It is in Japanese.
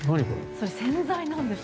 それ、洗剤なんです。